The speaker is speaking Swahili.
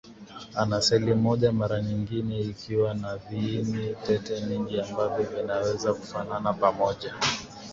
Ana seli moja mara nyengine ikiwa na viini tete vingi ambavyo vinaweza kufanana pamoja